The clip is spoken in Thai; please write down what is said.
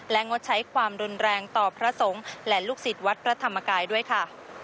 งดใช้ความรุนแรงต่อพระสงฆ์และลูกศิษย์วัดพระธรรมกายด้วยค่ะ